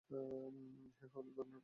ইহাই হইল ধর্মের প্রথম সোপান।